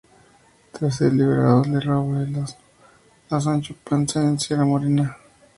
Tras ser liberado le roba el asno a Sancho Panza en Sierra Morena.